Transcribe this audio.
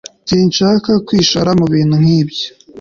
sinshaka kwishora mubintu nkibyo